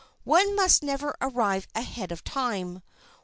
One must never arrive ahead of time.